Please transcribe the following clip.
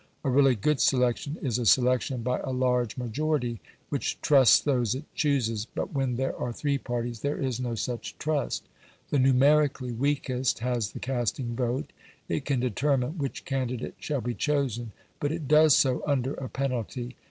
A really good selection is a selection by a large majority which trusts those it chooses, but when there are three parties there is no such trust. The numerically weakest has the casting vote it can determine which candidate shall be chosen. But it does so under a penalty.